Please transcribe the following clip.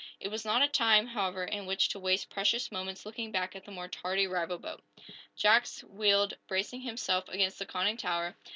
It was not a time, however, in which to waste precious moments looking back at the more tardy rival boat. Jack wheeled, bracing himself against the conning tower.